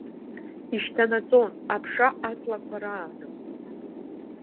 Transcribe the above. Ишьҭанаҵон аԥша аҵлақәа рааны.